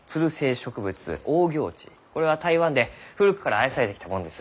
これは台湾で古くから愛されてきたもんです。